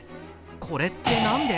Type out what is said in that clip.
これって何で？